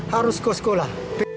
harus ke sekolah